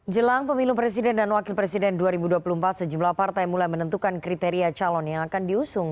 jelang pemilu presiden dan wakil presiden dua ribu dua puluh empat sejumlah partai mulai menentukan kriteria calon yang akan diusung